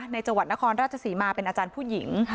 จังหวัดนครราชศรีมาเป็นอาจารย์ผู้หญิง